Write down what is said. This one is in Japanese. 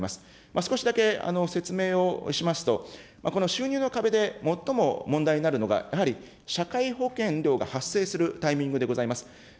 少しだけ説明をしますと、この収入の壁で最も問題になるのが、やはり社会保険料が発生するタイミングでございます。